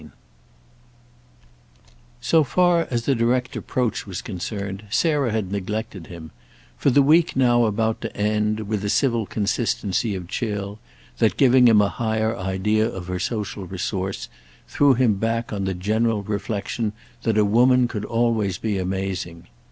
II So far as a direct approach was concerned Sarah had neglected him, for the week now about to end, with a civil consistency of chill that, giving him a higher idea of her social resource, threw him back on the general reflexion that a woman could always be amazing.